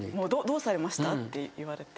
「どうされました？」って言われて。